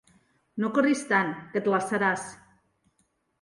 No corris tant, que et lassaràs.